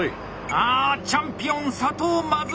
あチャンピオン佐藤まずい！